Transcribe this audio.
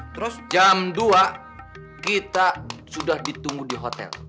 terus jam dua kita sudah ditunggu di hotel